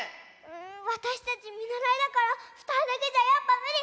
わたしたちみならいだからふたりだけじゃやっぱむり！